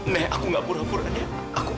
nek aku nggak pura pura nek